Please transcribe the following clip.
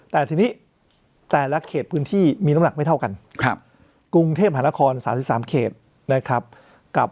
แต่ทีนี้แต่ละเขตพื้นที่มีน้ำหนักไม่เท่ากันกรุงเทพหานคร๓๓เขตนะครับกับ